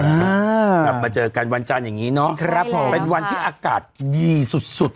กลับมาเจอกันวันจันทร์อย่างนี้เนาะครับผมเป็นวันที่อากาศดีสุดสุด